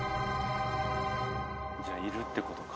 じゃあいるってことか。